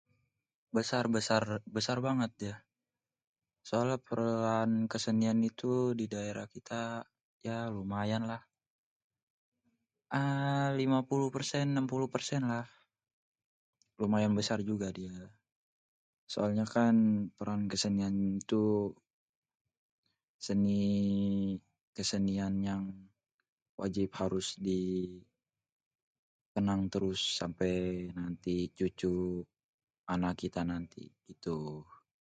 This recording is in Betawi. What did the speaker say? besar... besar... besar banget ya, soalnya peran kesenian itu di daerah kita, ya lumayan lah, 50% , 60% lah, lumayan besar juga dia, soalnya kan peran kesenian itu, seni kesenian yang wajib harus di kenang terus sampé nanti cucu anak kita nanti, itu.